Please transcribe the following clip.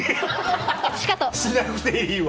しなくていいわ。